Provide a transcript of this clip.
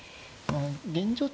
現状